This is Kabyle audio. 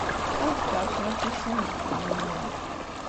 Ad kkeɣ kra n wussan deg uxxam-nwent.